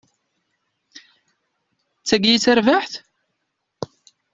D tagi i d tarbaɛt!